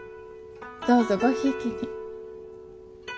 どうぞごひいきに。